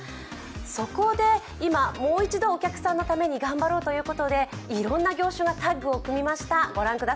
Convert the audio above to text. そこで今、もう一度お客さんのために頑張ろうということでいろんな業種がタッグを組みました。